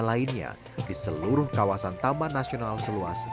dan lainnya diseluruh kawasan taman nasional seluas lima ribu hektar